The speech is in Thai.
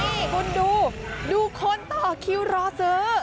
นี่คุณดูดูคนต่อคิวรอซื้อ